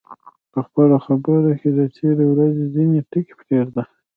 په خپلو خبرو کې د تېرې ورځې ځینې ټکي پرېږده.